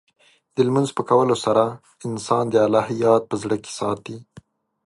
د لمونځ په کولو سره، انسان د الله یاد په زړه کې ساتي.